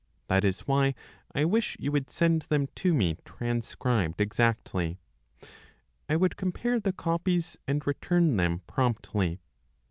That is why I wish you would send them to me transcribed exactly; I would compare the copies and return them promptly.